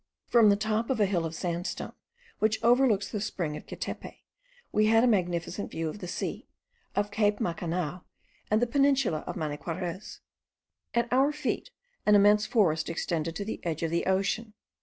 From the top of a hill of sandstone, which overlooks the spring of Quetepe, we had a magnificent view of the sea, of cape Macanao, and the peninsula of Maniquarez. At our feet an immense forest extended to the edge of the ocean.